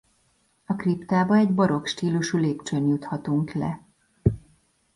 A kriptába egy barokk stílusú lépcsőn juthatunk le.